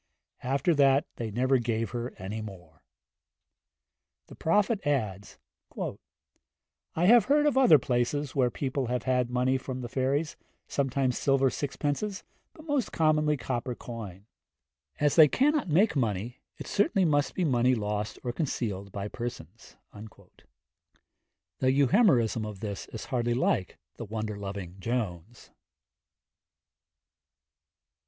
After that they never gave her any more. The Prophet adds: 'I have heard of other places where people have had money from the fairies, sometimes silver sixpences, but most commonly copper coin. As they cannot make money, it certainly must be money lost or concealed by persons.' The Euhemerism of this is hardly like the wonder loving Jones.